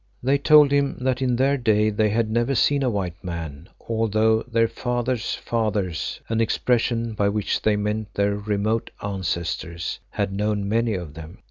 They told him that in their day they had never seen a white man, although their fathers' fathers (an expression by which they meant their remote ancestors) had known many of them.